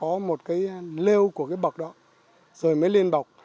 có một cái lêu của cái bậc đó rồi mới lên bậc